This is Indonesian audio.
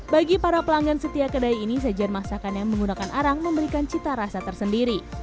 bagi para pelanggan setia kedai ini sajian masakan yang menggunakan arang memberikan cita rasa tersendiri